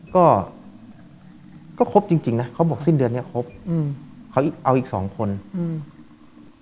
ก็ก็ก็ครบจริงจริงนะเขาบอกสิ้นเดือนเนี้ยครบอืมเขาเอาอีกสองคนอืม